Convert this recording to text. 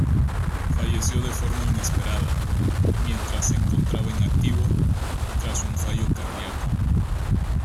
Falleció de forma inesperada, mientras se encontraba en activo, tras un fallo cardiaco.